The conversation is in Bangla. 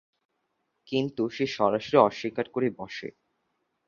কিন্তু সে সরাসরি অস্বীকার করে বসে।